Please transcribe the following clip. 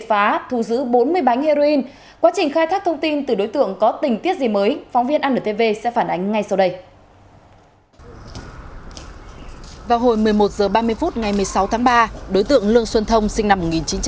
vào hồi một mươi một h ba mươi phút ngày một mươi sáu tháng ba đối tượng lương xuân thông sinh năm một nghìn chín trăm chín mươi